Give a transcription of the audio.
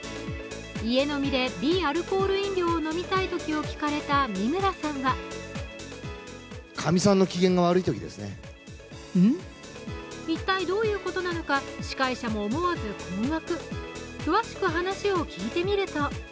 家飲みで微アルコール飲料を飲みたいときを聞かれた三村さんは一体どういうことなのか、司会者も思わず困惑。